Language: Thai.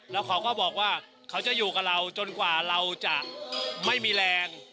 แล้วเขาก็บอกว่าเขาจะอยู่กับเราจนกว่าเราจะไม่มีแรง